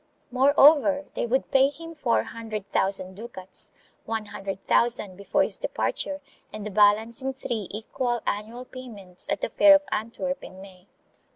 Moreover, they would pay him four hundred thousand ducats — one hundred thousand before his departure and the balance in three equal annual payments at the fair of Antwerp in May.